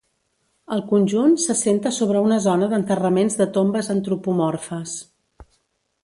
El conjunt s'assenta sobre una zona d'enterraments de tombes antropomorfes.